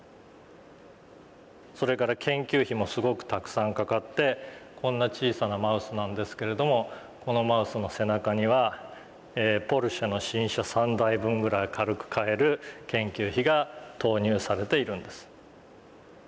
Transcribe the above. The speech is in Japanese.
それから研究費もすごくたくさんかかってこんな小さなマウスなんですけれどもこのマウスの背中にはポルシェの新車３台分ぐらい軽く買える研究費が投入されているんです。